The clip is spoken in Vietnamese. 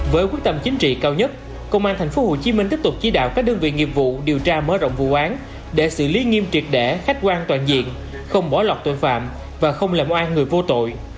với quyết tâm chính trị cao nhất công an tp hcm tiếp tục chỉ đạo các đơn vị nghiệp vụ điều tra mở rộng vụ án để xử lý nghiêm triệt đẻ khách quan toàn diện không bỏ lọt tội phạm và không làm oai người vô tội